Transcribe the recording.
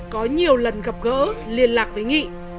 có nhiều lần gặp gỡ liên lạc với nghị